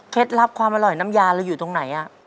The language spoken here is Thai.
เคล็ดรับความอร่อยน้ำยาเราอยู่ตรงไหนอ่ะ